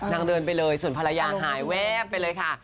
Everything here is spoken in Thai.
เดินไปเลยส่วนภรรยาหายแวบไปเลยค่ะ